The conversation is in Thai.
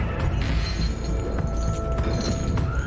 คุกขี้ไก่ตั้งอยู่ในพิธภัณฑ์ท้องถิ่นเมืองมีนบุรีนะ